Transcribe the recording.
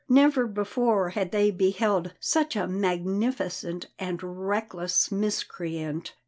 Never before had they beheld such a magnificent and reckless miscreant.